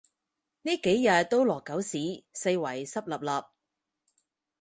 呢幾日都落狗屎，四圍濕 𣲷𣲷